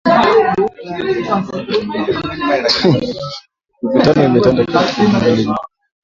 Mivutano imetanda tangu bunge lenye makao yake